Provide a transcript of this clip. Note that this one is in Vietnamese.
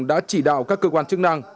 đã chỉ đạo các cơ quan chức năng